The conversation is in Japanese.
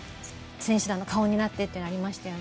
選手団の顔になってというのはありましたよね。